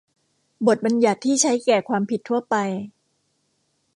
บทบัญญัติที่ใช้แก่ความผิดทั่วไป